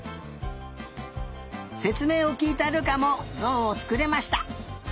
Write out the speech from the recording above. せつめいをきいた瑠珂もゾウをつくれました！